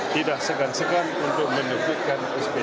tidak segan segan untuk menangani kasus ini